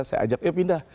saya ajak ya pindah